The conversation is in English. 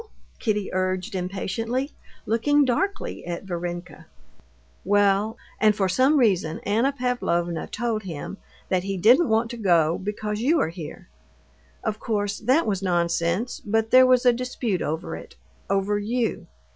Kitty urged impatiently, looking darkly at Varenka. "Well, and for some reason Anna Pavlovna told him that he didn't want to go because you are here. Of course, that was nonsense; but there was a dispute over it—over you.